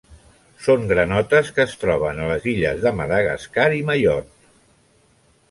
Són granotes que es troben a les illes de Madagascar i Mayotte.